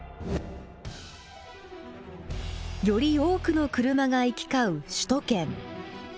より多くの車が行き交う首都圏。